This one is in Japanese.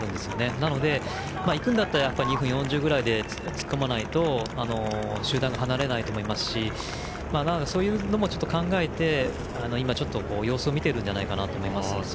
なので、行くなら２分４０ぐらいで突っ込まないと集団が離れないと思いますしそういうのも考えて今、様子を見ていると思います。